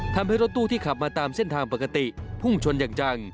ทำให้รถตู้ที่ขับมาตามเส้นทางปกติพุ่งชนอย่างจัง